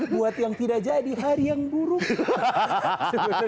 buat yang tidak jadi hari yang buruk